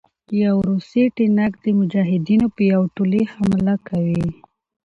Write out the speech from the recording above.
يو روسي ټېنک د مجاهدينو په يو ټولې حمله کوي